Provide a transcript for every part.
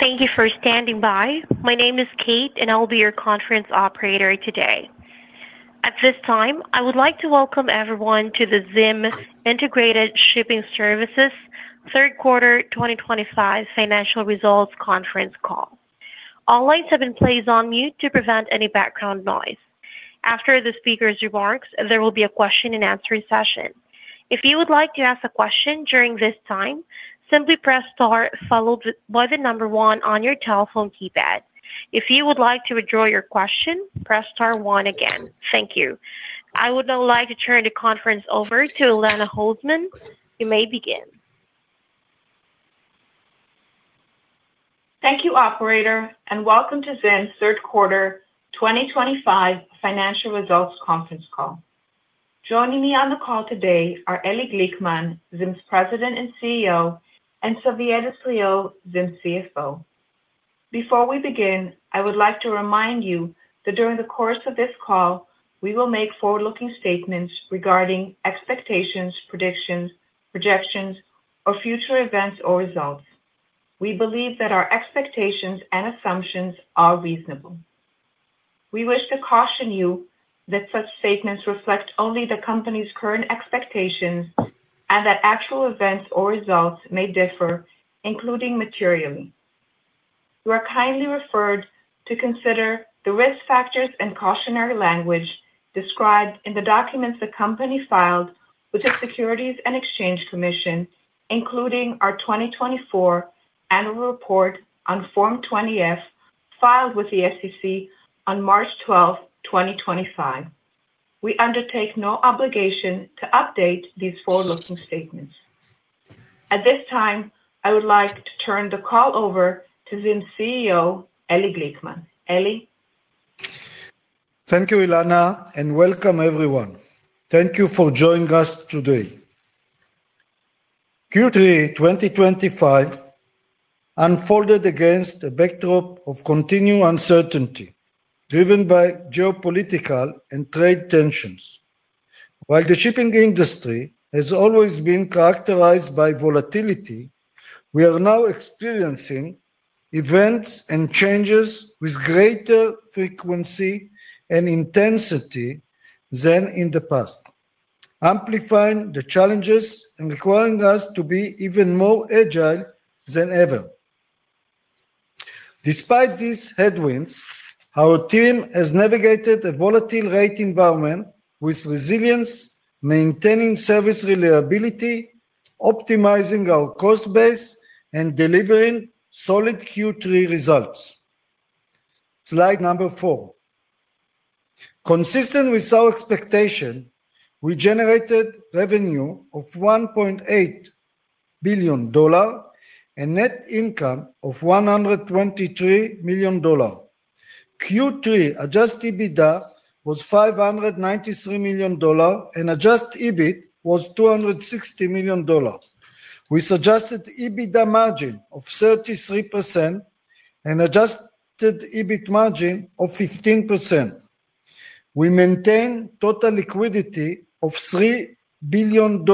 Thank you for standing by. My name is Kate, and I'll be your conference operator today. At this time, I would like to welcome everyone to the ZIM Integrated Shipping Services Third Quarter 2025 Financial Results Conference Call. All lines have been placed on mute to prevent any background noise. After the speaker's remarks, there will be a question-and-answer session. If you would like to ask a question during this time, simply press Star, followed by the number one on your telephone keypad. If you would like to withdraw your question, press Star one again. Thank you. I would now like to turn the conference over to Elana Holzman. You may begin. Thank you, Operator, and welcome to ZIM Third Quarter 2025 Financial Results Conference Call. Joining me on the call today are Eli Glickman, ZIM's President and CEO, and Xavier Destriau, ZIM CFO. Before we begin, I would like to remind you that during the course of this call, we will make forward-looking statements regarding expectations, predictions, projections, or future events or results. We believe that our expectations and assumptions are reasonable. We wish to caution you that such statements reflect only the company's current expectations and that actual events or results may differ, including materially. You are kindly referred to consider the risk factors and cautionary language described in the documents the company filed with the Securities and Exchange Commission, including our 2024 Annual Report on Form 20F filed with the SEC on March 12, 2025. We undertake no obligation to update these forward-looking statements. At this time, I would like to turn the call over to ZIM CEO, Eli Glickman. Eli. Thank you, Elana, and welcome, everyone. Thank you for joining us today. Q3 2025 unfolded against a backdrop of continued uncertainty driven by geopolitical and trade tensions. While the shipping industry has always been characterized by volatility, we are now experiencing events and changes with greater frequency and intensity than in the past, amplifying the challenges and requiring us to be even more agile than ever. Despite these headwinds, our team has navigated a volatile rate environment with resilience, maintaining service reliability, optimizing our cost base, and delivering solid Q3 results. Slide number four. Consistent with our expectation, we generated revenue of $1.8 billion and net income of $123 million. Q3 adjusted EBITDA was $593 million, and adjusted EBIT was $260 million. We suggested EBITDA margin of 33% and adjusted EBIT margin of 15%. We maintained total liquidity of $3 billion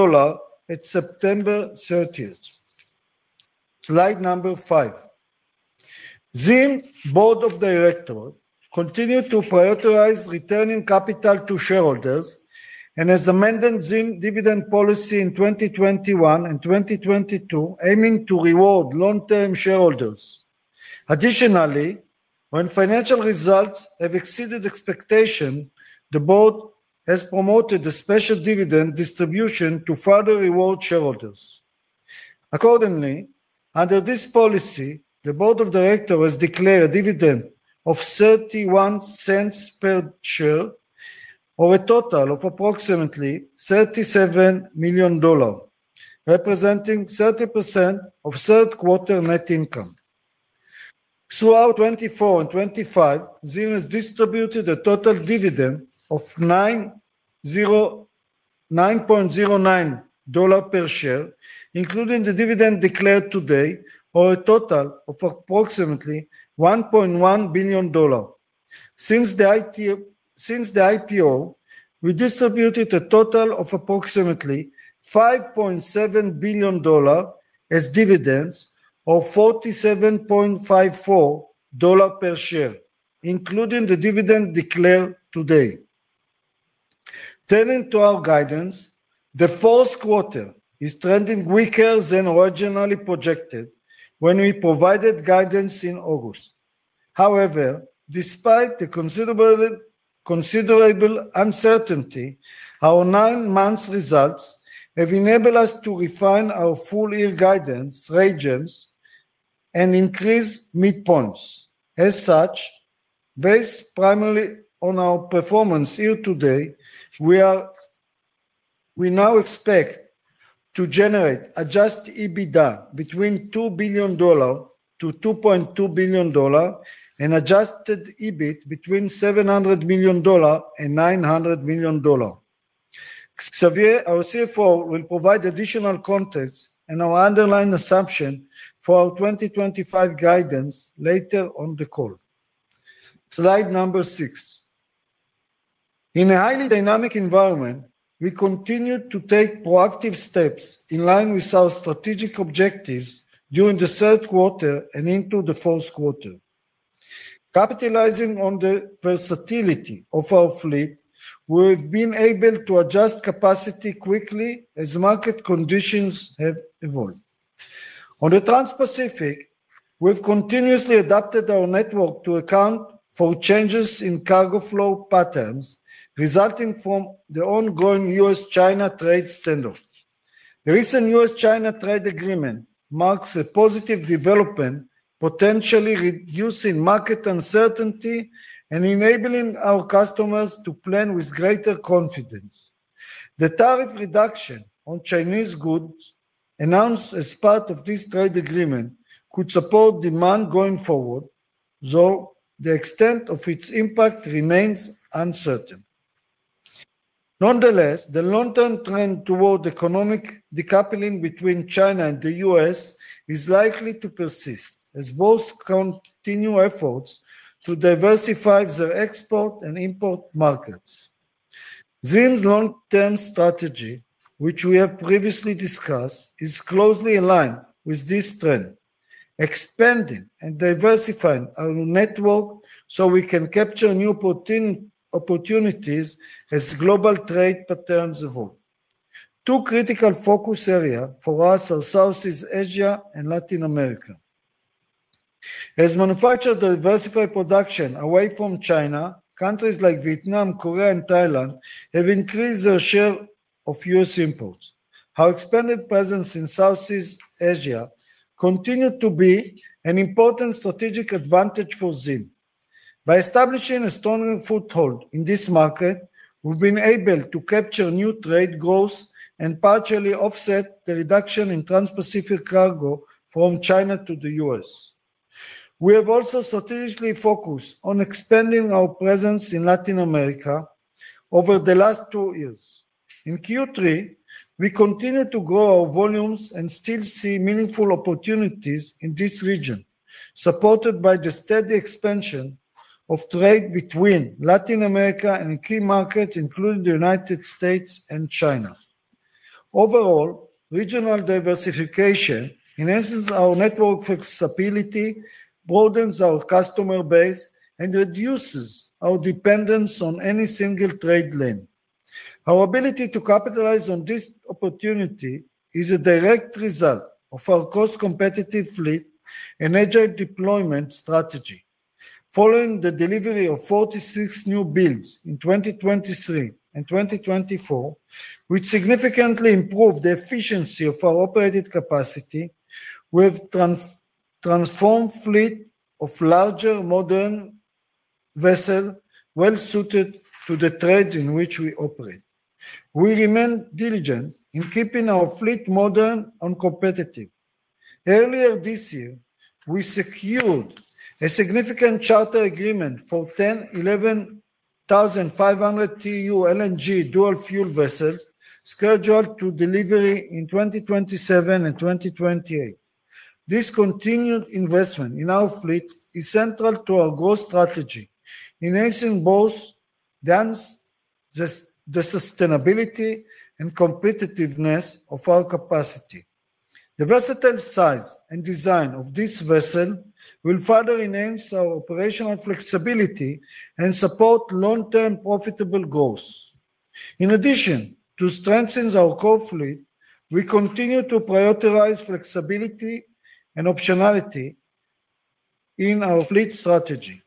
at September 30. Slide number five. ZIM Board of Directors continued to prioritize returning capital to shareholders and has amended ZIM dividend policy in 2021 and 2022, aiming to reward long-term shareholders. Additionally, when financial results have exceeded expectations, the board has promoted a special dividend distribution to further reward shareholders. Accordingly, under this policy, the Board of Directors has declared a dividend of $0.31 per share or a total of approximately $37 million, representing 30% of third-quarter net income. Throughout 2024 and 2025, ZIM has distributed a total dividend of $9.09 per share, including the dividend declared today, or a total of approximately $1.1 billion. Since the IPO, we distributed a total of approximately $5.7 billion as dividends or $47.54 per share, including the dividend declared today. Turning to our guidance, the fourth quarter is trending weaker than originally projected when we provided guidance in August. However, despite the considerable uncertainty, our nine-month results have enabled us to refine our full-year guidance regions and increase mid-points. As such, based primarily on our performance year to date, we now expect to generate adjusted EBITDA between $2 billion-$2.2 billion and adjusted EBIT between $700 million-$900 million. Xavier, our CFO, will provide additional context and our underlying assumption for our 2025 guidance later on the call. Slide number six. In a highly dynamic environment, we continue to take proactive steps in line with our strategic objectives during the third quarter and into the fourth quarter. Capitalizing on the versatility of our fleet, we have been able to adjust capacity quickly as market conditions have evolved. On the Trans-Pacific, we've continuously adapted our network to account for changes in cargo flow patterns resulting from the ongoing U.S.-China trade standoff. The recent U.S.-China trade agreement marks a positive development, potentially reducing market uncertainty and enabling our customers to plan with greater confidence. The tariff reduction on Chinese goods announced as part of this trade agreement could support demand going forward, though the extent of its impact remains uncertain. Nonetheless, the long-term trend toward economic decoupling between China and the U.S. is likely to persist as boats continue efforts to diversify their export and import markets. ZIM's long-term strategy, which we have previously discussed, is closely aligned with this trend, expanding and diversifying our network so we can capture new opportunities as global trade patterns evolve. Two critical focus areas for us are Southeast Asia and Latin America. As manufacturers diversify production away from China, countries like Vietnam, Korea, and Thailand have increased their share of U.S. imports. Our expanded presence in Southeast Asia continues to be an important strategic advantage for ZIM. By establishing a stronger foothold in this market, we've been able to capture new trade growth and partially offset the reduction in Trans-Pacific cargo from China to the U.S. We have also strategically focused on expanding our presence in Latin America over the last two years. In Q3, we continue to grow our volumes and still see meaningful opportunities in this region, supported by the steady expansion of trade between Latin America and key markets, including the United States and China. Overall, regional diversification enhances our network flexibility, broadens our customer base, and reduces our dependence on any single trade lane. Our ability to capitalize on this opportunity is a direct result of our cost-competitive fleet and agile deployment strategy. Following the delivery of 46 new builds in 2023 and 2024, which significantly improved the efficiency of our operated capacity, we have transformed the fleet of larger, modern vessels well-suited to the trades in which we operate. We remain diligent in keeping our fleet modern and competitive. Earlier this year, we secured a significant charter agreement for 10 11,500 TEU LNG dual-fuel vessels scheduled to deliver in 2027 and 2028. This continued investment in our fleet is central to our growth strategy, enhancing both the sustainability and competitiveness of our capacity. The versatile size and design of this vessel will further enhance our operational flexibility and support long-term profitable growth. In addition to strengthening our core fleet, we continue to prioritize flexibility and optionality in our fleet strategy.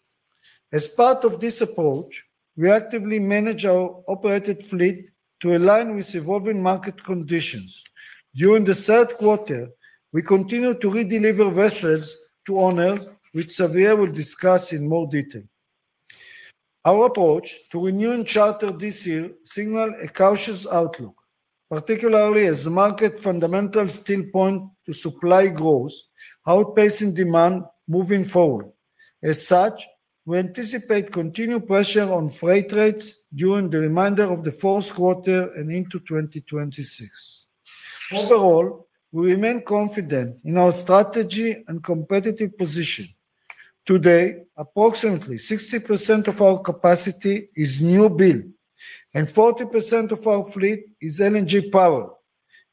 As part of this approach, we actively manage our operated fleet to align with evolving market conditions. During the third quarter, we continue to redeliver vessels to owners, which Xavier will discuss in more detail. Our approach to renewing charter this year signals a cautious outlook, particularly as the market fundamentals still point to supply growth outpacing demand moving forward. As such, we anticipate continued pressure on freight rates during the remainder of the fourth quarter and into 2026. Overall, we remain confident in our strategy and competitive position. Today, approximately 60% of our capacity is new build, and 40% of our fleet is LNG-powered,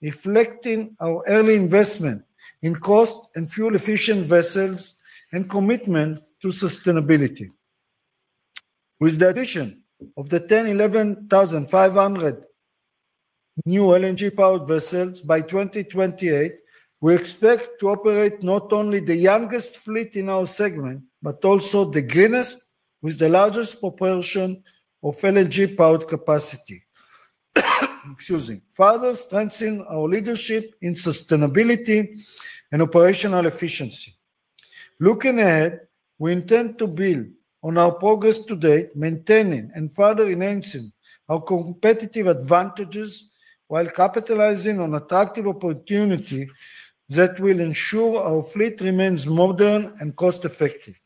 reflecting our early investment in cost and fuel-efficient vessels and commitment to sustainability. With the addition of the 10-11,500 new LNG-powered vessels by 2028, we expect to operate not only the youngest fleet in our segment, but also the greenest with the largest proportion of LNG-powered capacity, further strengthening our leadership in sustainability and operational efficiency. Looking ahead, we intend to build on our progress today, maintaining and further enhancing our competitive advantages while capitalizing on attractive opportunities that will ensure our fleet remains modern and cost-effective.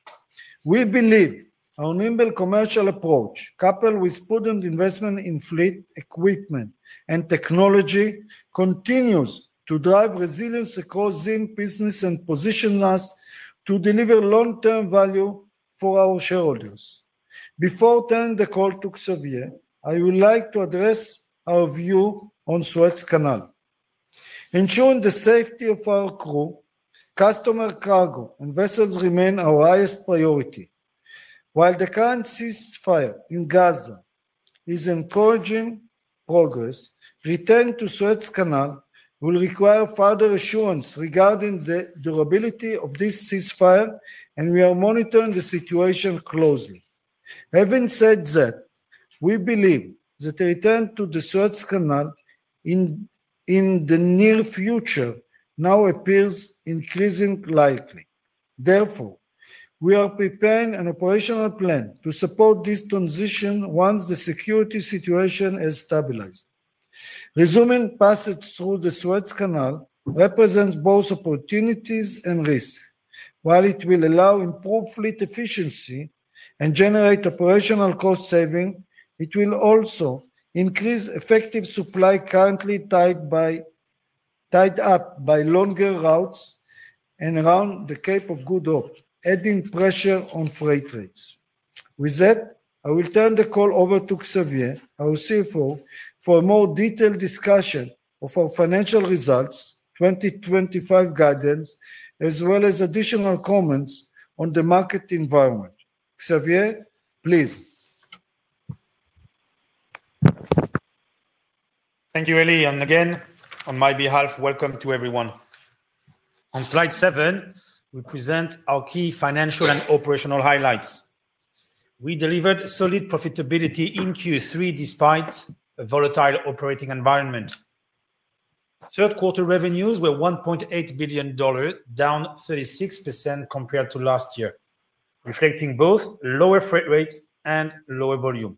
We believe our nimble commercial approach, coupled with prudent investment in fleet equipment and technology, continues to drive resilience across ZIM business and positions us to deliver long-term value for our shareholders. Before turning the call to Xavier, I would like to address our view on Suez Canal. Ensuring the safety of our crew, customer cargo, and vessels remains our highest priority. While the current ceasefire in Gaza is encouraging progress, returning to Suez Canal will require further assurance regarding the durability of this ceasefire, and we are monitoring the situation closely. Having said that, we believe that a return to the Suez Canal in the near future now appears increasingly likely. Therefore, we are preparing an operational plan to support this transition once the security situation has stabilized. Resuming passage through the Suez Canal represents both opportunities and risks. While it will allow improved fleet efficiency and generate operational cost savings, it will also increase effective supply currently tied up by longer routes and around the Cape of Good Hope, adding pressure on freight rates. With that, I will turn the call over to Xavier, our CFO, for a more detailed discussion of our financial results, 2025 guidance, as well as additional comments on the market environment. Xavier, please. Thank you, Eli. Again, on my behalf, welcome to everyone. On slide seven, we present our key financial and operational highlights. We delivered solid profitability in Q3 despite a volatile operating environment. Third-quarter revenues were $1.8 billion, down 36% compared to last year, reflecting both lower freight rates and lower volume.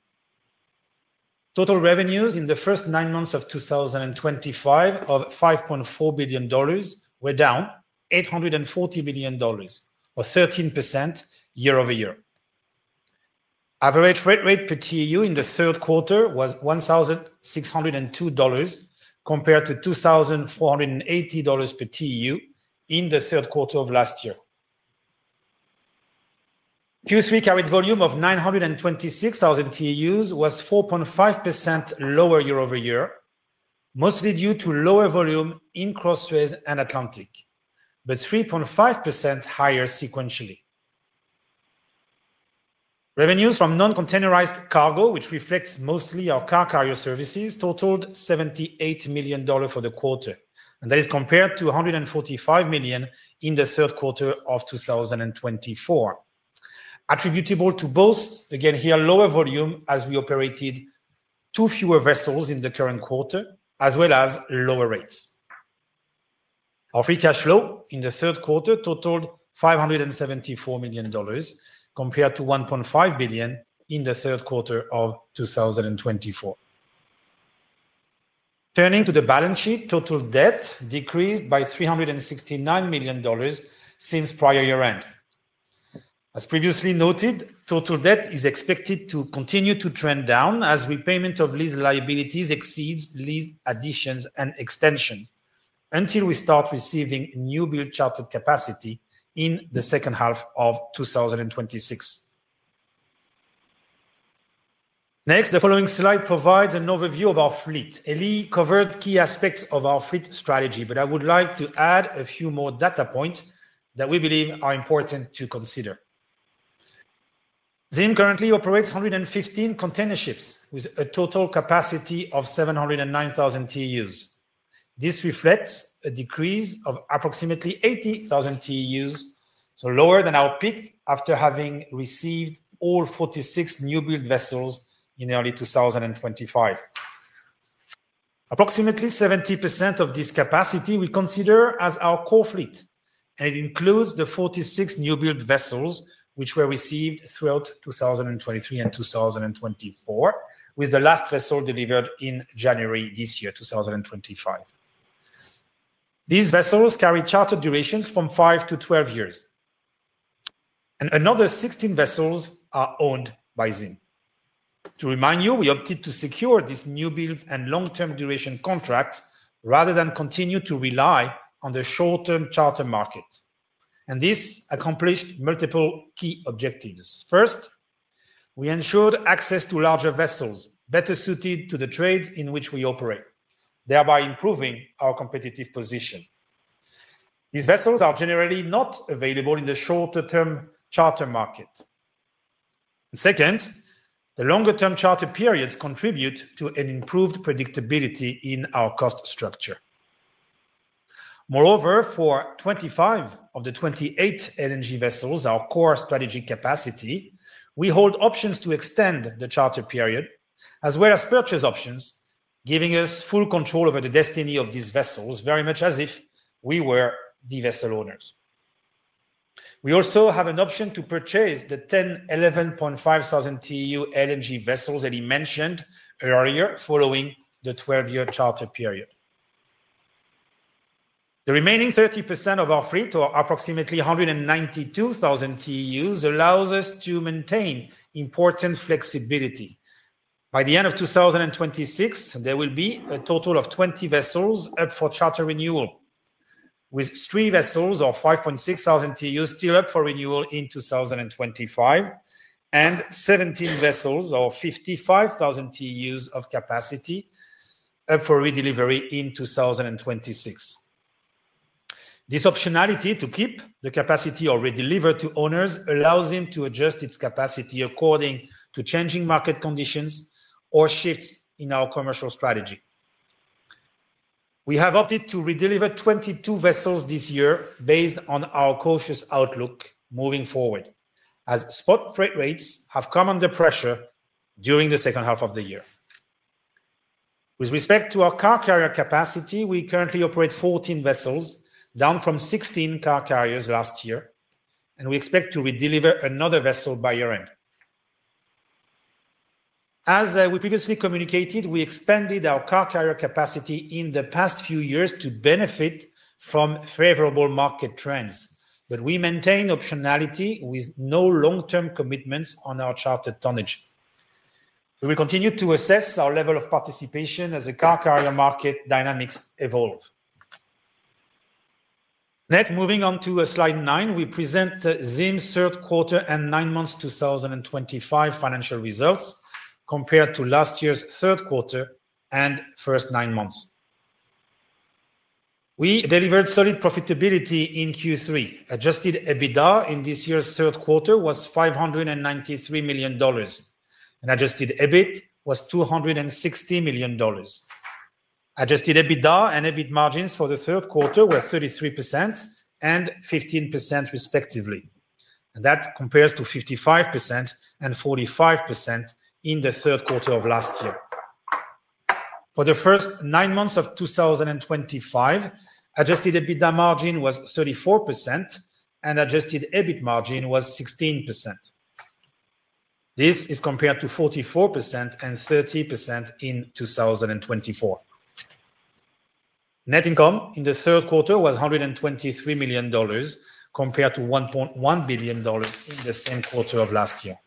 Total revenues in the first nine months of 2025 of $5.4 billion were down $840 million, or 13% year over year. Average freight rate per TEU in the third quarter was $1,602 compared to $2,480 per TEU in the third quarter of last year. Q3 carried volume of 926,000 TEUs was 4.5% lower year over year, mostly due to lower volume in Cross-Suez and Atlantic, but 3.5% higher sequentially. Revenues from non-containerized cargo, which reflects mostly our car carrier services, totaled $78 million for the quarter, and that is compared to $145 million in the third quarter of 2024, attributable to both, again here, lower volume as we operated two fewer vessels in the current quarter, as well as lower rates. Our free cash flow in the third quarter totaled $574 million compared to $1.5 billion in the third quarter of 2024. Turning to the balance sheet, total debt decreased by $369 million since prior year-end. As previously noted, total debt is expected to continue to trend down as repayment of lease liabilities exceeds lease additions and extensions until we start receiving new build chartered capacity in the second half of 2026. Next, the following slide provides an overview of our fleet. Eli covered key aspects of our fleet strategy, but I would like to add a few more data points that we believe are important to consider. ZIM currently operates 115 container ships with a total capacity of 709,000 TEUs. This reflects a decrease of approximately 80,000 TEUs, so lower than our peak after having received all 46 new build vessels in early 2025. Approximately 70% of this capacity we consider as our core fleet, and it includes the 46 new build vessels which were received throughout 2023 and 2024, with the last vessel delivered in January this year, 2025. These vessels carry chartered durations from 5 to 12 years, and another 16 vessels are owned by ZIM. To remind you, we opted to secure these new builds and long-term duration contracts rather than continue to rely on the short-term charter market. This accomplished multiple key objectives. First, we ensured access to larger vessels better suited to the trades in which we operate, thereby improving our competitive position. These vessels are generally not available in the shorter-term charter market. Second, the longer-term charter periods contribute to an improved predictability in our cost structure. Moreover, for 25 of the 28 LNG vessels, our core strategic capacity, we hold options to extend the charter period as well as purchase options, giving us full control over the destiny of these vessels, very much as if we were the vessel owners. We also have an option to purchase the 10 11,500 TEU LNG vessels Eli mentioned earlier following the 12-year charter period. The remaining 30% of our fleet, or approximately 192,000 TEUs, allows us to maintain important flexibility. By the end of 2026, there will be a total of 20 vessels up for charter renewal, with three vessels, or 5.6 thousand TEUs, still up for renewal in 2025, and 17 vessels, or 55,000 TEUs of capacity, up for redelivery in 2026. This optionality to keep the capacity or redeliver to owners allows ZIM to adjust its capacity according to changing market conditions or shifts in our commercial strategy. We have opted to redeliver 22 vessels this year based on our cautious outlook moving forward, as spot freight rates have come under pressure during the second half of the year. With respect to our car carrier capacity, we currently operate 14 vessels, down from 16 car carriers last year, and we expect to redeliver another vessel by year-end. As we previously communicated, we expanded our car carrier capacity in the past few years to benefit from favorable market trends, but we maintain optionality with no long-term commitments on our chartered tonnage. We will continue to assess our level of participation as the car carrier market dynamics evolve. Next, moving on to slide nine, we present ZIM's third quarter and nine months 2025 financial results compared to last year's third quarter and first nine months. We delivered solid profitability in Q3. Adjusted EBITDA in this year's third quarter was $593 million, and adjusted EBIT was $260 million. Adjusted EBITDA and EBIT margins for the third quarter were 33% and 15%, respectively. That compares to 55% and 45% in the third quarter of last year. For the first nine months of 2025, adjusted EBITDA margin was 34%, and adjusted EBIT margin was 16%. This is compared to 44% and 30% in 2024. Net income in the third quarter was $123 million compared to $1.1 billion in the same quarter of last year.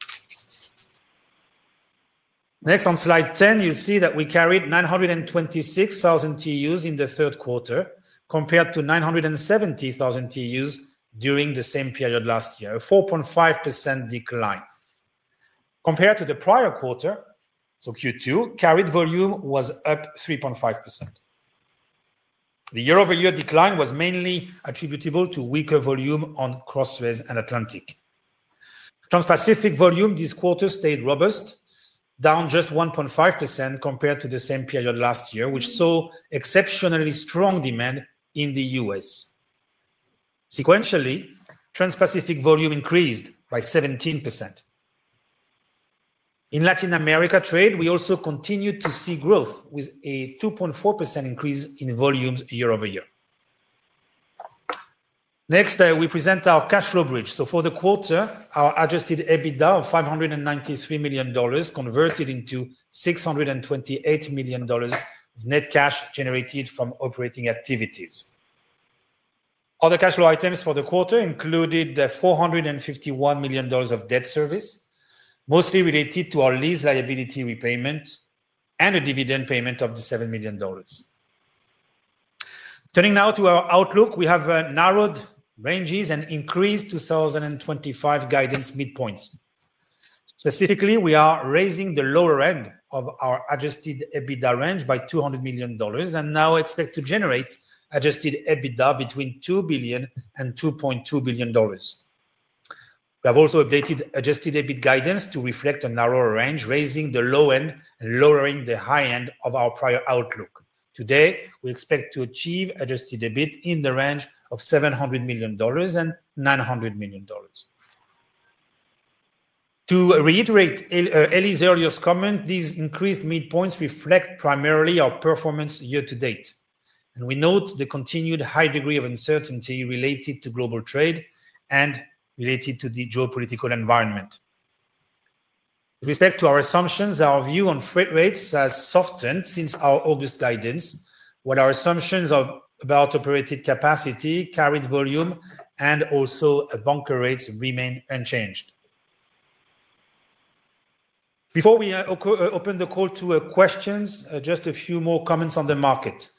Next, on slide 10, you'll see that we carried 926,000 TEUs in the third quarter compared to 970,000 TEUs during the same period last year, a 4.5% decline. Compared to the prior quarter, so Q2, carried volume was up 3.5%. The year-over-year decline was mainly attributable to weaker volume on Cross-Suez and Atlantic. Trans-Pacific volume this quarter stayed robust, down just 1.5% compared to the same period last year, which saw exceptionally strong demand in the US. Sequentially, Trans-Pacific volume increased by 17%. In Latin America trade, we also continued to see growth with a 2.4% increase in volumes year-over-year. Next, we present our cash flow bridge. For the quarter, our adjusted EBITDA of $593 million converted into $628 million of net cash generated from operating activities. Other cash flow items for the quarter included $451 million of debt service, mostly related to our lease liability repayment and a dividend payment of $7 million. Turning now to our outlook, we have narrowed ranges and increased 2025 guidance midpoint. Specifically, we are raising the lower end of our adjusted EBITDA range by $200 million and now expect to generate adjusted EBITDA between $2 billion and $2.2 billion. We have also updated adjusted EBIT guidance to reflect a narrower range, raising the low end and lowering the high end of our prior outlook. Today, we expect to achieve adjusted EBIT in the range of $700 million-$900 million. To reiterate Eli's earlier comment, these increased midpoints reflect primarily our performance year to date. We note the continued high degree of uncertainty related to global trade and related to the geopolitical environment. With respect to our assumptions, our view on freight rates has softened since our August guidance, while our assumptions about operated capacity, carried volume, and also bunker rates remain unchanged. Before we open the call to questions, just a few more comments on the market.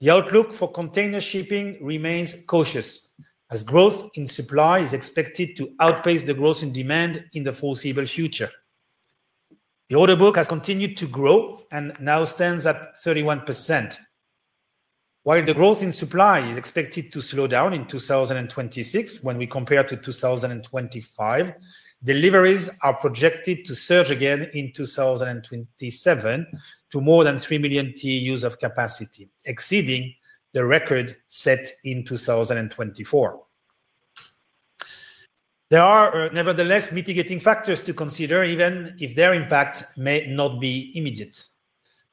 The outlook for container shipping remains cautious as growth in supply is expected to outpace the growth in demand in the foreseeable future. The order book has continued to grow and now stands at 31%. While the growth in supply is expected to slow down in 2026 when we compare to 2025, deliveries are projected to surge again in 2027 to more than 3 million TEUs of capacity, exceeding the record set in 2024. There are nevertheless mitigating factors to consider, even if their impact may not be immediate.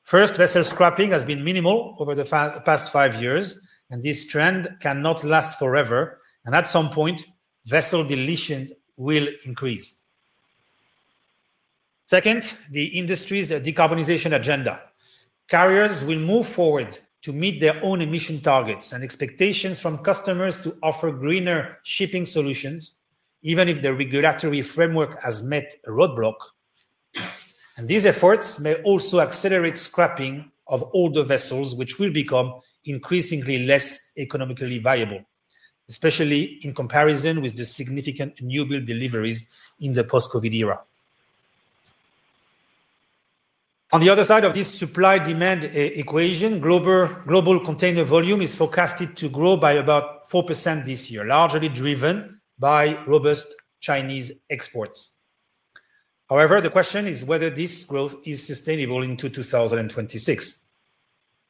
First, vessel scrapping has been minimal over the past five years, and this trend cannot last forever. At some point, vessel deletion will increase. Second, the industry's decarbonization agenda. Carriers will move forward to meet their own emission targets and expectations from customers to offer greener shipping solutions, even if the regulatory framework has met a roadblock. These efforts may also accelerate scrapping of older vessels, which will become increasingly less economically viable, especially in comparison with the significant new build deliveries in the post-COVID era. On the other side of this supply-demand equation, global container volume is forecasted to grow by about 4% this year, largely driven by robust Chinese exports. However, the question is whether this growth is sustainable into 2026.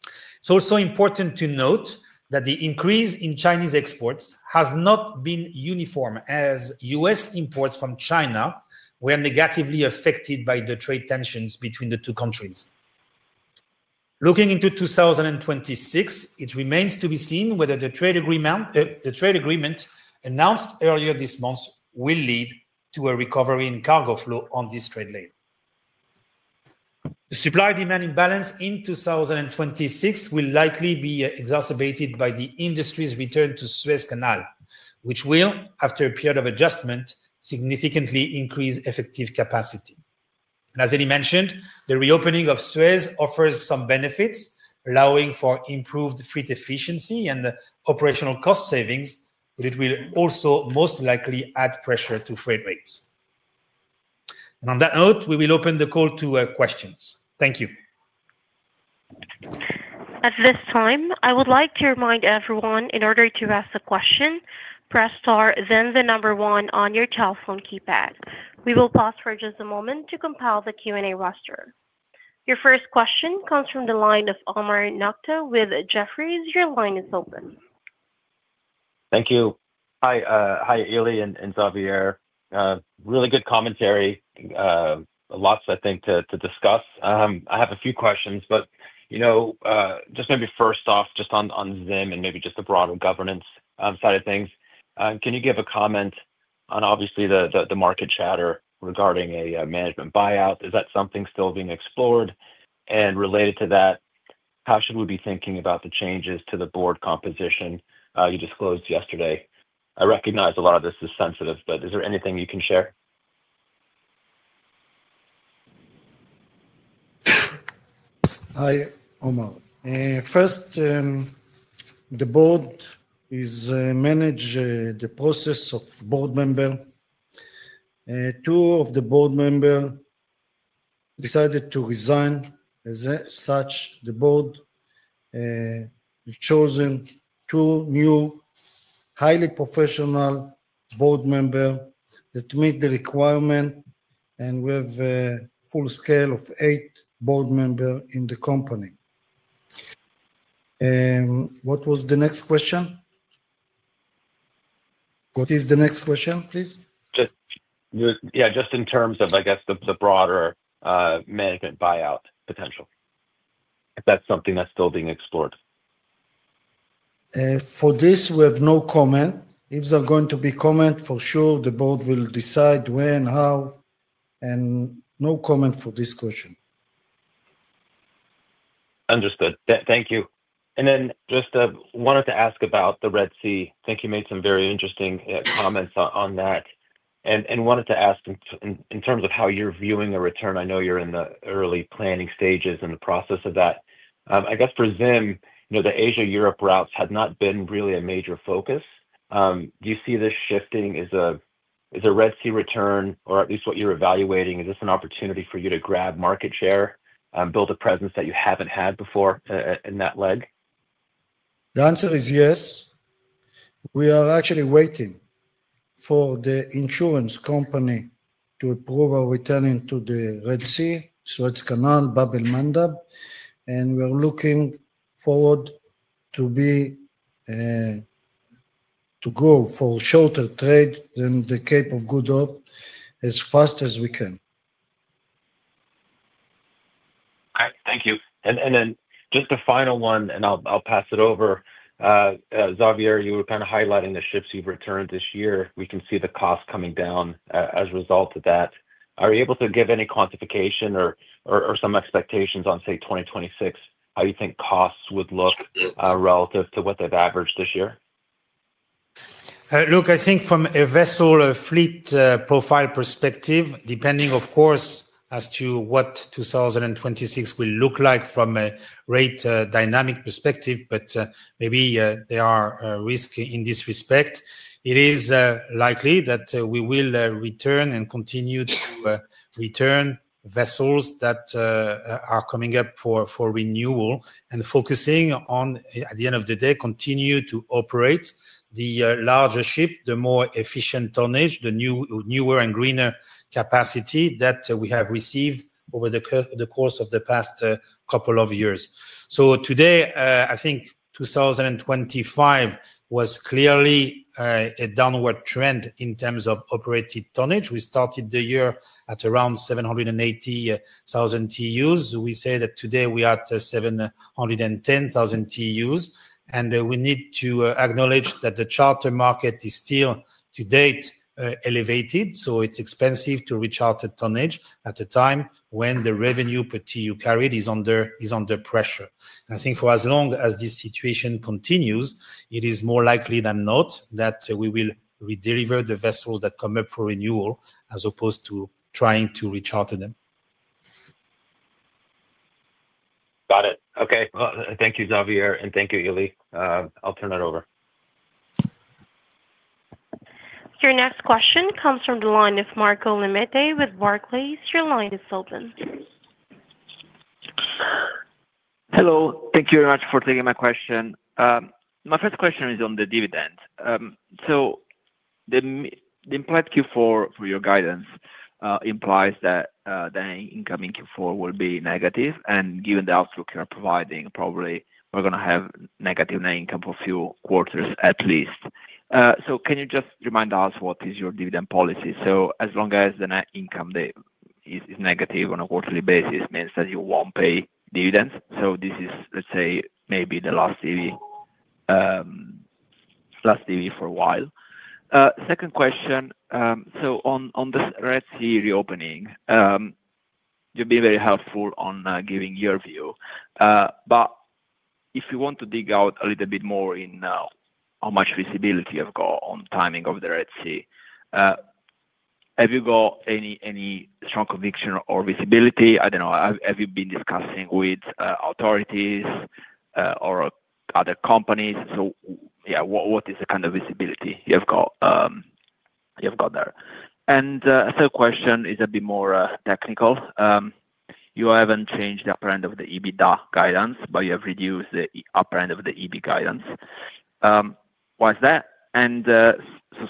It is also important to note that the increase in Chinese exports has not been uniform, as US imports from China were negatively affected by the trade tensions between the two countries. Looking into 2026, it remains to be seen whether the trade agreement announced earlier this month will lead to a recovery in cargo flow on this trade lane. The supply-demand imbalance in 2026 will likely be exacerbated by the industry's return to Suez Canal, which will, after a period of adjustment, significantly increase effective capacity. As Eli mentioned, the reopening of Suez offers some benefits, allowing for improved freight efficiency and operational cost savings, but it will also most likely add pressure to freight rates. On that note, we will open the call to questions. Thank you. At this time, I would like to remind everyone, in order to ask a question, press star, then the number one on your telephone keypad. We will pause for just a moment to compile the Q&A roster. Your first question comes from the line of Omar Nokta with Jefferies. Your line is open. Thank you. Hi, Eli and Xavier. Really good commentary. Lots, I think, to discuss. I have a few questions, but just maybe first off, just on ZIM and maybe just the broader governance side of things. Can you give a comment on, obviously, the market chatter regarding a management buyout? Is that something still being explored? And related to that, how should we be thinking about the changes to the board composition you disclosed yesterday? I recognize a lot of this is sensitive, but is there anything you can share? Hi, Omar. First, the board is managing the process of board members. Two of the board members decided to resign as such. The board chose two new, highly professional board members that meet the requirement, and we have a full scale of eight board members in the company. What was the next question? What is the next question, please? Yeah, just in terms of, I guess, the broader management buyout potential, if that's something that's still being explored. For this, we have no comment. If there are going to be comments, for sure, the board will decide when, how, and no comment for this question. Understood. Thank you. I just wanted to ask about the Red Sea. I think you made some very interesting comments on that. I wanted to ask in terms of how you're viewing the return. I know you're in the early planning stages and the process of that. I guess for ZIM, the Asia-Europe routes had not been really a major focus. Do you see this shifting as a Red Sea return, or at least what you're evaluating? Is this an opportunity for you to grab market share, build a presence that you haven't had before in that leg? The answer is yes. We are actually waiting for the insurance company to approve our returning to the Red Sea, Suez Canal, Bab al-Mandab. We are looking forward to go for shorter trade than the Cape of Good Hope as fast as we can. All right. Thank you. Just the final one, I'll pass it over. Xavier, you were kind of highlighting the ships you've returned this year. We can see the cost coming down as a result of that. Are you able to give any quantification or some expectations on, say, 2026, how you think costs would look relative to what they've averaged this year? Look, I think from a vessel or fleet profile perspective, depending, of course, as to what 2026 will look like from a rate dynamic perspective, but maybe there are risks in this respect. It is likely that we will return and continue to return vessels that are coming up for renewal and focusing on, at the end of the day, continue to operate the larger ship, the more efficient tonnage, the newer and greener capacity that we have received over the course of the past couple of years. Today, I think 2025 was clearly a downward trend in terms of operated tonnage. We started the year at around 780,000 TEUs. We say that today we are at 710,000 TEUs. We need to acknowledge that the charter market is still, to date, elevated. It is expensive to recharter tonnage at a time when the revenue per TEU carried is under pressure. I think for as long as this situation continues, it is more likely than not that we will redeliver the vessels that come up for renewal as opposed to trying to recharter them. Got it. Okay. Thank you, Xavier, and thank you, Eli. I'll turn it over. Your next question comes from the line of Marco Lemitte with Barclays. Your line is open. Hello. Thank you very much for taking my question. My first question is on the dividend. The implied Q4 for your guidance implies that net income in Q4 will be negative. Given the outlook you're providing, probably we're going to have negative net income for a few quarters at least. Can you just remind us what is your dividend policy? As long as the net income is negative on a quarterly basis, it means that you won't pay dividends. This is, let's say, maybe the last TV for a while. Second question. On this Red Sea reopening, you've been very helpful on giving your view. If you want to dig out a little bit more in how much visibility you've got on timing of the Red Sea, have you got any strong conviction or visibility? I don't know. Have you been discussing with authorities or other companies? What is the kind of visibility you've got there? The third question is a bit more technical. You haven't changed the upper end of the EB guidance, but you have reduced the upper end of the EB guidance. Why is that?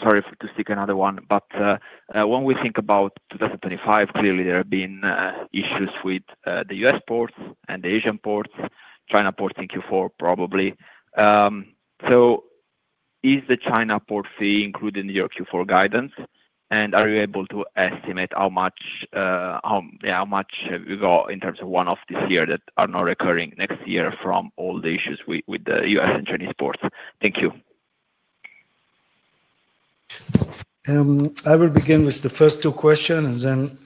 Sorry to stick another one, but when we think about 2025, clearly there have been issues with the U.S. ports and the Asian ports, China ports in Q4, probably. Is the China port fee included in your Q4 guidance? Are you able to estimate how much have you got in terms of one-off this year that are not recurring next year from all the issues with the U.S. and Chinese ports? Thank you. I will begin with the first two questions, and then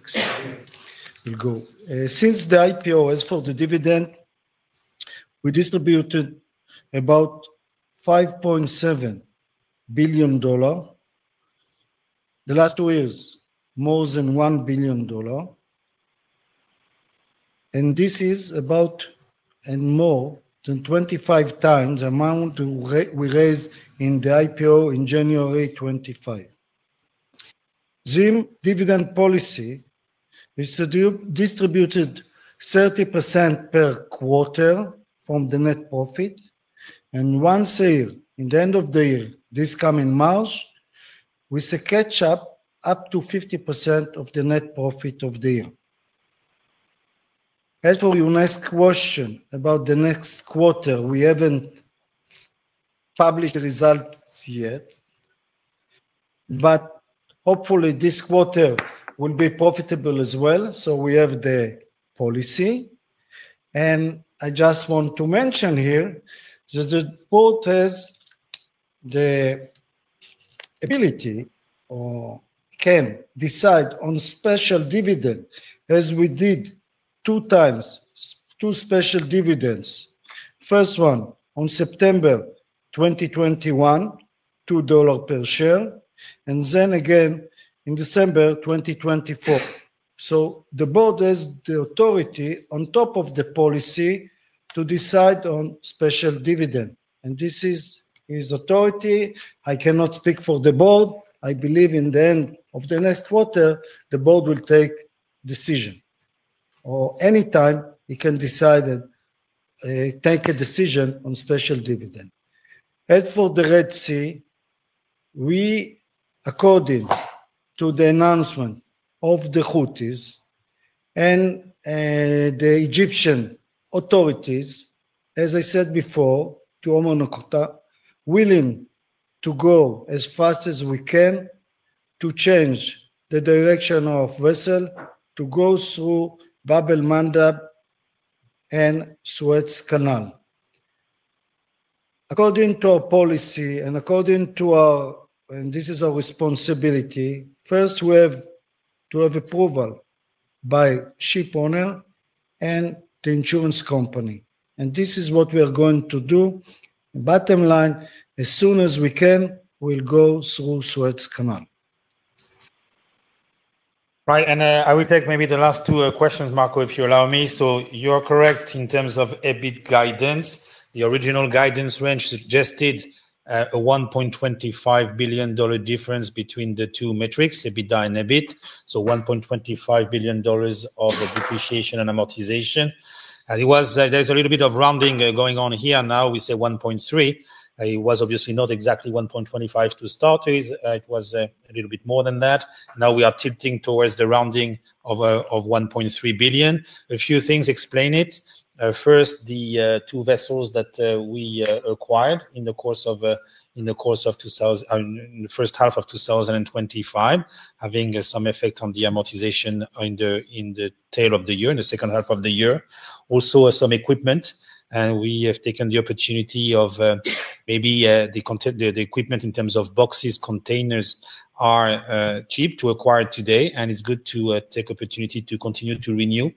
we'll go. Since the IPO, as for the dividend, we distributed about $5.7 billion the last two years, more than $1 billion. This is about and more than 25 times the amount we raised in the IPO in January 2025. ZIM dividend policy is to distribute 30% per quarter from the net profit. Once a year, in the end of the year, this coming March, we secure up to 50% of the net profit of the year. As for your next question about the next quarter, we haven't published the results yet. Hopefully, this quarter will be profitable as well. We have the policy. I just want to mention here that the board has the ability or can decide on special dividend, as we did two times, two special dividends. First one on September 2021, $2 per share, and then again in December 2024. The board has the authority on top of the policy to decide on special dividend. This is his authority. I cannot speak for the board. I believe in the end of the next quarter, the board will take a decision. Anytime, he can decide and take a decision on special dividend. As for the Red Sea, we, according to the announcement of the Houthis and the Egyptian authorities, as I said before, to Omar Nokta, are willing to go as fast as we can to change the direction of vessels to go through Bab al-Mandab and Suez Canal. According to our policy and according to our—and this is our responsibility—first, we have to have approval by the ship owner and the insurance company. This is what we are going to do. Bottom line, as soon as we can, we'll go through Suez Canal. Right. I will take maybe the last two questions, Marco, if you allow me. You're correct in terms of EBIT guidance. The original guidance range suggested a $1.25 billion difference between the two metrics, EBITDA and EBIT. $1.25 billion of depreciation and amortization. There's a little bit of rounding going on here. Now we say $1.3 billion. It was obviously not exactly $1.25 billion to start. It was a little bit more than that. Now we are tilting towards the rounding of $1.3 billion. A few things explain it. First, the two vessels that we acquired in the course of the first half of 2025, having some effect on the amortization in the tail of the year, in the second half of the year. Also, some equipment. We have taken the opportunity of maybe the equipment in terms of boxes, containers are cheap to acquire today. It is good to take the opportunity to continue to renew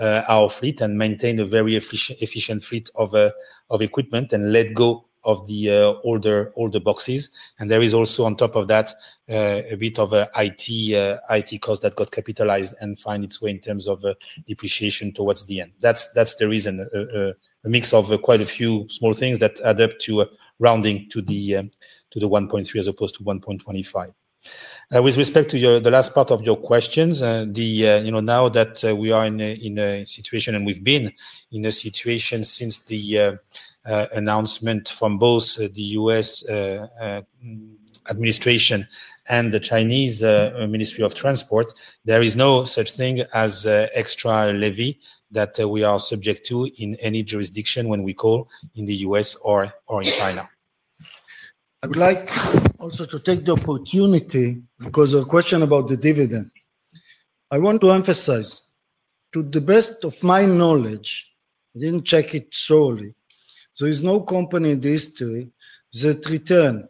our fleet and maintain a very efficient fleet of equipment and let go of the older boxes. There is also, on top of that, a bit of IT cost that got capitalized and found its way in terms of depreciation towards the end. That's the reason. A mix of quite a few small things that add up to a rounding to the 1.3 as opposed to 1.25. With respect to the last part of your questions, now that we are in a situation and we've been in a situation since the announcement from both the U.S. administration and the Chinese Ministry of Transport, there is no such thing as extra levy that we are subject to in any jurisdiction when we call in the U.S. or in China. I would like also to take the opportunity because of the question about the dividend. I want to emphasize, to the best of my knowledge, I didn't check it thoroughly. There is no company in the history that returned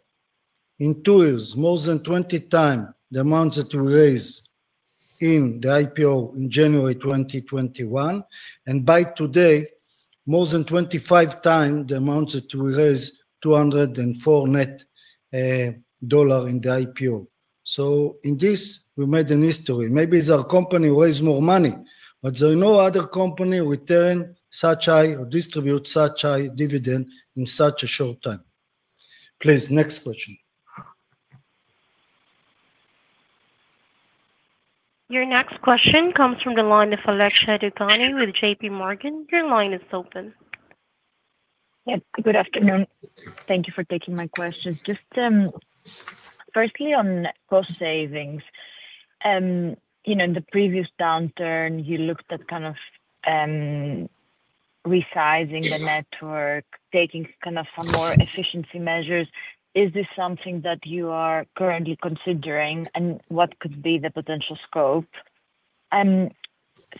in two years more than 20 times the amount that we raised in the IPO in January 2021. By today, more than 25 times the amount that we raised, $204 million net in the IPO. In this, we made a history. Maybe it's our company who raised more money, but there is no other company who returned such high or distributed such high dividend in such a short time. Please, next question. Your next question comes from the line of Alexia Dogani with JPMorgan. Your line is open. Yes. Good afternoon. Thank you for taking my question. Just firstly, on cost savings, in the previous downturn, you looked at kind of resizing the network, taking kind of some more efficiency measures. Is this something that you are currently considering, and what could be the potential scope?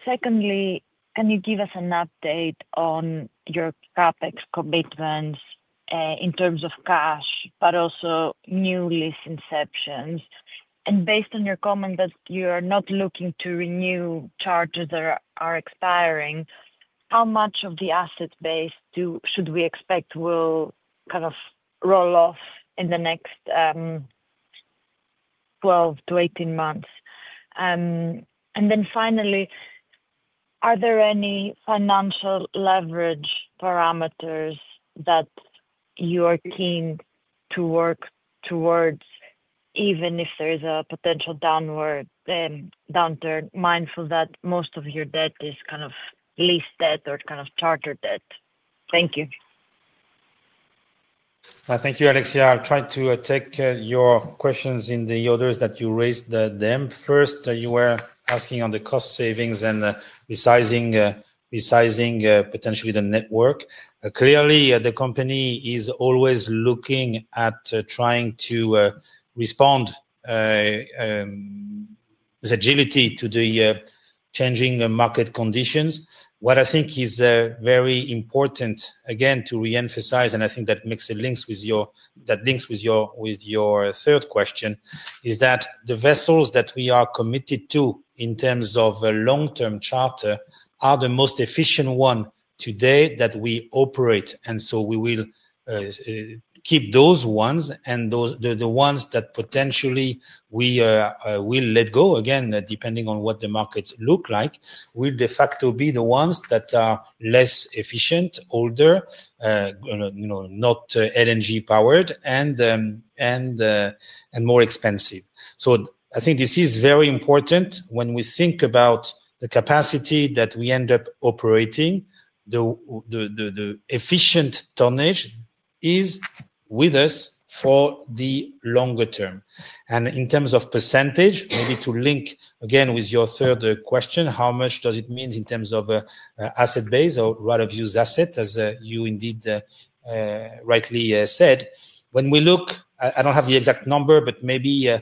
Secondly, can you give us an update on your CapEx commitments in terms of cash, but also new lease inceptions? Based on your comment that you are not looking to renew charters that are expiring, how much of the asset base should we expect will kind of roll off in the next 12 - 18 months? Finally, are there any financial leverage parameters that you are keen to work towards, even if there is a potential downturn, mindful that most of your debt is kind of lease debt or kind of charter debt? Thank you. Thank you, Alexia. I'll try to take your questions in the order that you raised them. First, you were asking on the cost savings and resizing potentially the network. Clearly, the company is always looking at trying to respond with agility to the changing market conditions. What I think is very important, again, to re-emphasize, and I think that links with your third question, is that the vessels that we are committed to in terms of a long-term charter are the most efficient ones today that we operate. We will keep those ones. The ones that potentially we will let go, again, depending on what the markets look like, will de facto be the ones that are less efficient, older, not LNG-powered, and more expensive. I think this is very important when we think about the capacity that we end up operating. The efficient tonnage is with us for the longer term. In terms of percentage, maybe to link again with your third question, how much does it mean in terms of asset base or rather used asset, as you indeed rightly said? When we look, I don't have the exact number, but maybe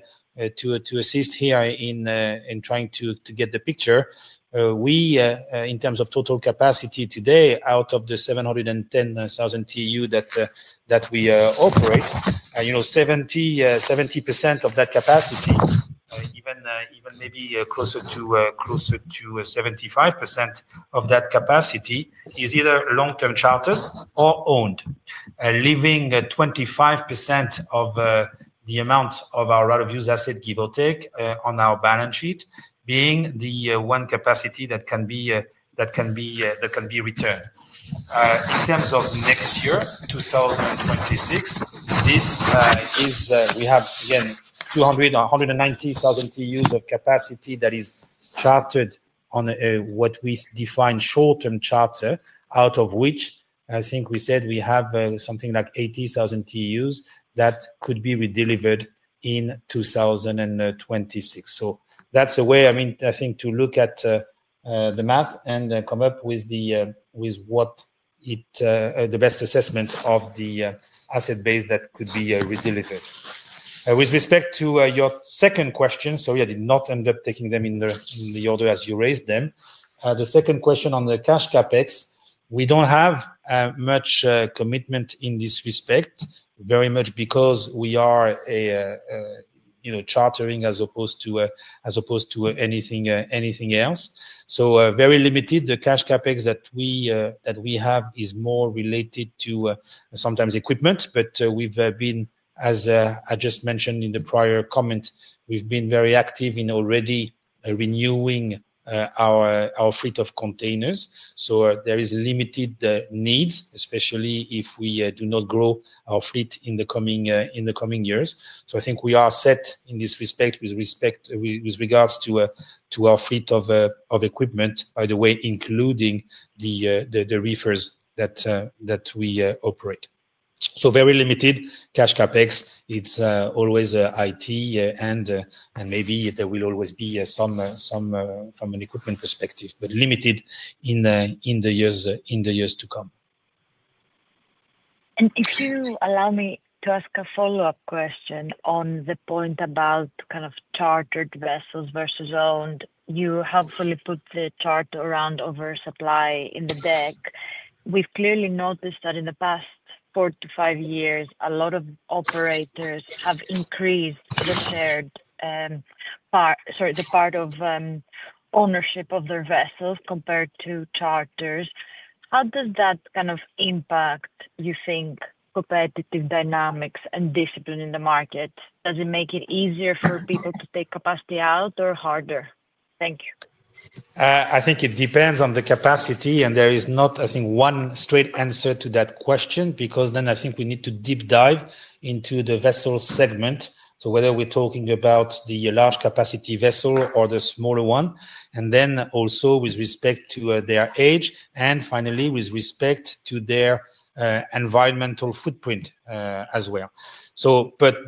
to assist here in trying to get the picture, in terms of total capacity today, out of the 710,000 TEU that we operate, 70% of that capacity, even maybe closer to 75% of that capacity, is either long-term chartered or owned, leaving 25% of the amount of our rather used asset, give or take, on our balance sheet being the one capacity that can be returned. In terms of next year, 2026, we have, again, 290,000 TEU of capacity that is chartered on what we define as short-term charter, out of which, I think we said we have something like 80,000 TEU that could be redelivered in 2026. That is a way, I mean, I think, to look at the math and come up with the best assessment of the asset base that could be redelivered. With respect to your second question—sorry, I did not end up taking them in the order as you raised them—the second question on the cash CapEx, we do not have much commitment in this respect, very much because we are chartering as opposed to anything else. Very limited. The cash CapEx that we have is more related to sometimes equipment, but we have been, as I just mentioned in the prior comment, we have been very active in already renewing our fleet of containers. There is limited needs, especially if we do not grow our fleet in the coming years. I think we are set in this respect with regards to our fleet of equipment, by the way, including the reefers that we operate. Very limited cash CapEx. It is always IT, and maybe there will always be some from an equipment perspective, but limited in the years to come. If you allow me to ask a follow-up question on the point about kind of chartered vessels versus owned, you helpfully put the charter around oversupply in the deck. We've clearly noticed that in the past four to five years, a lot of operators have increased the shared part, sorry, the part of ownership of their vessels compared to charters. How does that kind of impact, you think, competitive dynamics and discipline in the market? Does it make it easier for people to take capacity out or harder? Thank you. I think it depends on the capacity. There is not, I think, one straight answer to that question because I think we need to deep dive into the vessel segment, so whether we're talking about the large capacity vessel or the smaller one, and then also with respect to their age, and finally, with respect to their environmental footprint as well.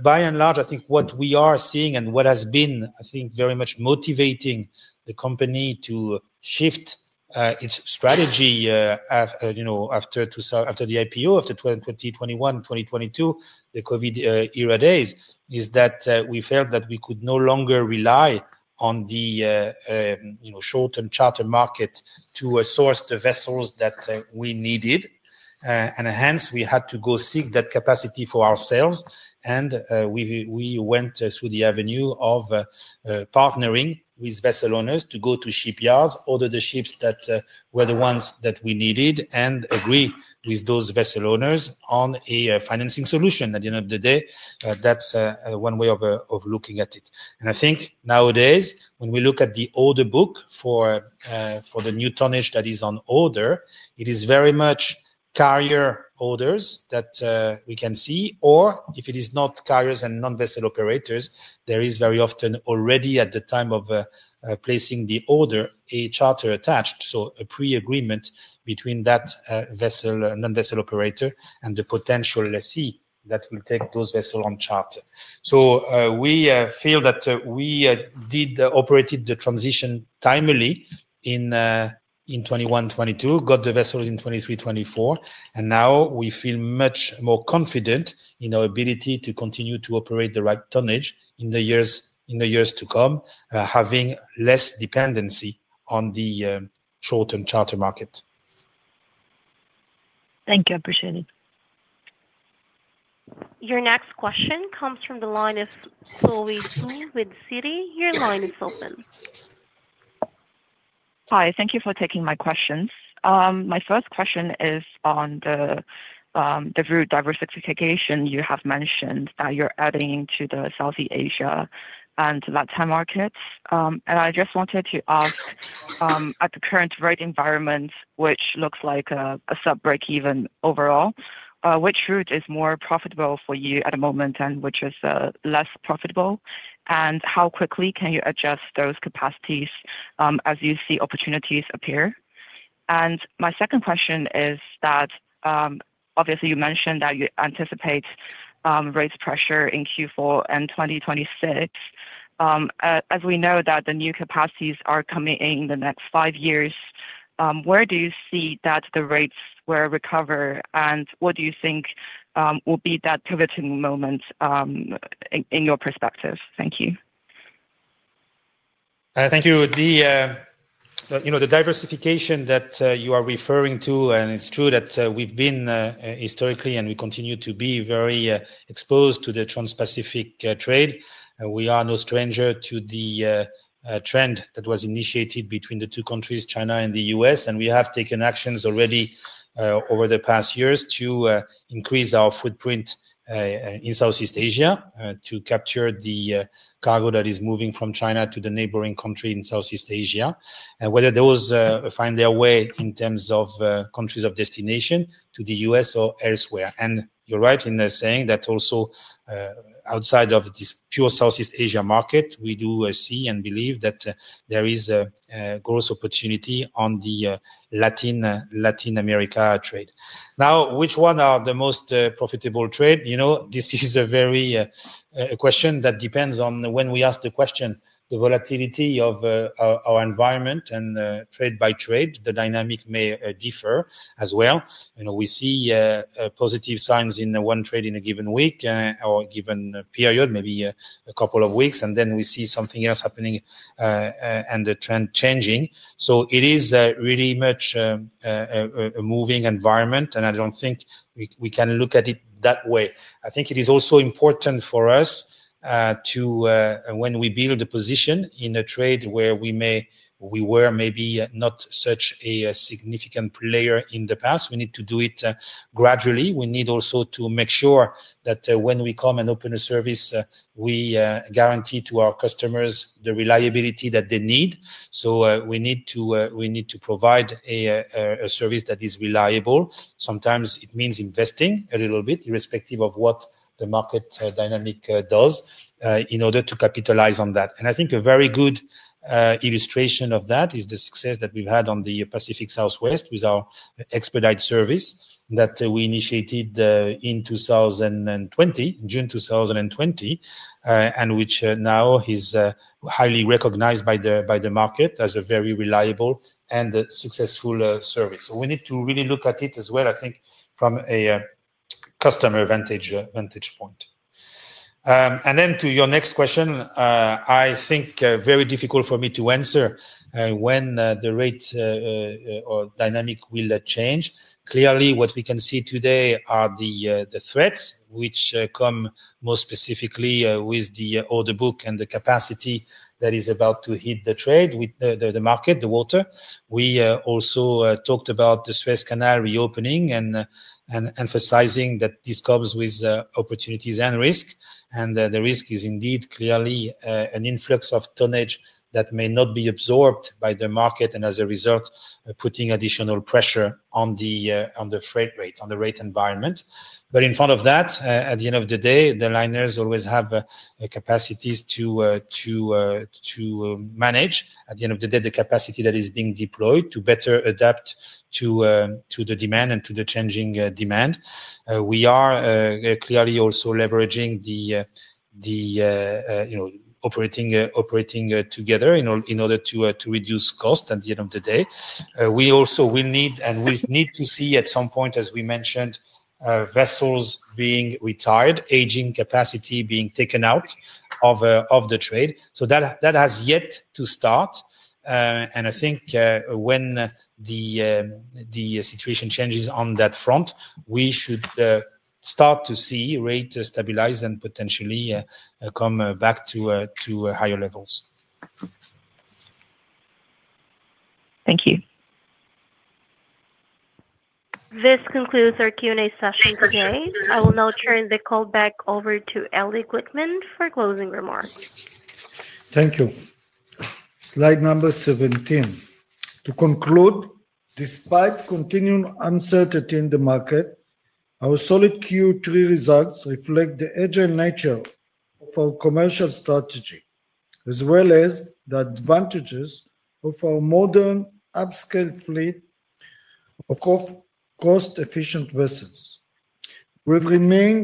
By and large, I think what we are seeing and what has been, I think, very much motivating the company to shift its strategy after the IPO, after 2021, 2022, the COVID era days, is that we felt that we could no longer rely on the short-term charter market to source the vessels that we needed. Hence, we had to go seek that capacity for ourselves. We went through the avenue of partnering with vessel owners to go to shipyards, order the ships that were the ones that we needed, and agree with those vessel owners on a financing solution. At the end of the day, that's one way of looking at it. I think nowadays, when we look at the order book for the new tonnage that is on order, it is very much carrier orders that we can see. If it is not carriers and non-vessel operators, there is very often already at the time of placing the order, a charter attached, so a pre-agreement between that non-vessel operator and the potential sea that will take those vessels on charter. We feel that we did operate the transition timely in 2021, 2022, got the vessels in 2023, 2024. Now we feel much more confident in our ability to continue to operate the right tonnage in the years to come, having less dependency on the short-term charter market. Thank you. Appreciate it. Your next question comes from the line of Chloe D with Citi. Your line is open. Hi. Thank you for taking my questions. My first question is on the route diversification you have mentioned that you're adding to the Southeast Asia and Latin markets. I just wanted to ask, at the current rate environment, which looks like a sub-break-even overall, which route is more profitable for you at the moment and which is less profitable? How quickly can you adjust those capacities as you see opportunities appear? My second question is that, obviously, you mentioned that you anticipate rate pressure in Q4 and 2026. As we know that the new capacities are coming in the next five years, where do you see that the rates will recover? What do you think will be that pivoting moment in your perspective? Thank you. The diversification that you are referring to, and it's true that we've been historically and we continue to be very exposed to the Trans-Pacific trade. We are no stranger to the trend that was initiated between the two countries, China and the U.S. We have taken actions already over the past years to increase our footprint in Southeast Asia to capture the cargo that is moving from China to the neighboring country in Southeast Asia, and whether those find their way in terms of countries of destination to the U.S. or elsewhere. You're right in saying that also outside of this pure Southeast Asia market, we do see and believe that there is a gross opportunity on the Latin America trade. Now, which one are the most profitable trade? This is a very question that depends on when we ask the question. The volatility of our environment and trade by trade, the dynamic may differ as well. We see positive signs in one trade in a given week or given period, maybe a couple of weeks, and then we see something else happening and the trend changing. It is really much a moving environment, and I don't think we can look at it that way. I think it is also important for us to, when we build a position in a trade where we were maybe not such a significant player in the past, we need to do it gradually. We need also to make sure that when we come and open a service, we guarantee to our customers the reliability that they need. We need to provide a service that is reliable. Sometimes it means investing a little bit, irrespective of what the market dynamic does, in order to capitalize on that. I think a very good illustration of that is the success that we've had on the Pacific Southwest with our expedite service that we initiated in 2020, in June 2020, and which now is highly recognized by the market as a very reliable and successful service. We need to really look at it as well, I think, from a customer vantage point. To your next question, I think very difficult for me to answer when the rate or dynamic will change. Clearly, what we can see today are the threats which come most specifically with the order book and the capacity that is about to hit the trade, the market, the water. We also talked about the Suez Canal reopening and emphasizing that this comes with opportunities and risk. The risk is indeed clearly an influx of tonnage that may not be absorbed by the market and, as a result, putting additional pressure on the freight rate, on the rate environment. In front of that, at the end of the day, the liners always have capacities to manage, at the end of the day, the capacity that is being deployed to better adapt to the demand and to the changing demand. We are clearly also leveraging the operating together in order to reduce costs at the end of the day. We also will need and we need to see at some point, as we mentioned, vessels being retired, aging capacity being taken out of the trade. That has yet to start. I think when the situation changes on that front, we should start to see rates stabilize and potentially come back to higher levels. Thank you. This concludes our Q&A session today. I will now turn the call back over to Eli Glickman for closing remarks. Thank you. Slide number 17. To conclude, despite continuing uncertainty in the market, our solid Q3 results reflect the agile nature of our commercial strategy, as well as the advantages of our modern upscale fleet of cost-efficient vessels. We've remained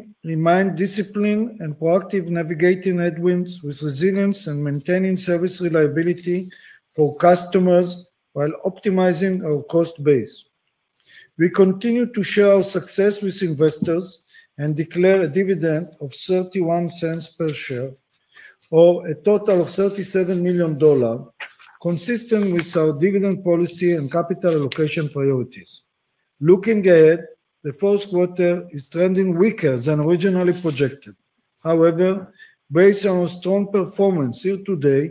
disciplined and proactive navigating headwinds with resilience and maintaining service reliability for customers while optimizing our cost base. We continue to share our success with investors and declare a dividend of $0.31 per share or a total of $37 million, consistent with our dividend policy and capital allocation priorities. Looking ahead, the fourth quarter is trending weaker than originally projected. However, based on our strong performance here today,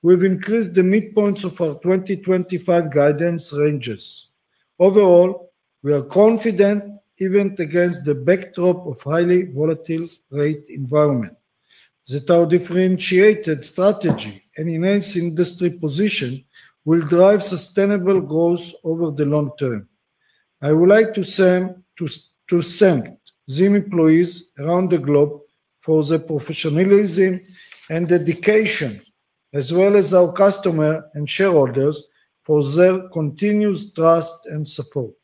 we've increased the midpoint of our 2025 guidance ranges. Overall, we are confident, even against the backdrop of a highly volatile rate environment, that our differentiated strategy and enhanced industry position will drive sustainable growth over the long term. I would like to thank ZIM employees around the globe for their professionalism and dedication, as well as our customers and shareholders for their continuous trust and support.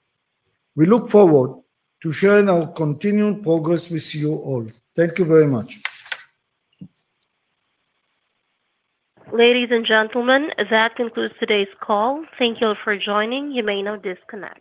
We look forward to sharing our continued progress with you all. Thank you very much. Ladies and gentlemen, that concludes today's call. Thank you all for joining. You may now disconnect.